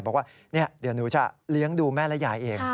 บอกว่าเดี๋ยวหนูจะเลี้ยงดูแม่และยายเอง